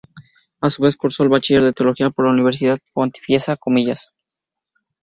A su vez cursó el bachiller de Teología por la Universidad Pontificia Comillas.